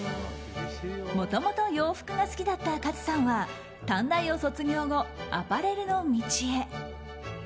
もともと洋服が好きだった勝さんは短大を卒業後、アパレルの道へ。